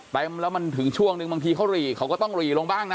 เต็มแล้วมันถึงช่วงนึงบางทีเขาหรี่เขาก็ต้องหรี่ลงบ้างนะ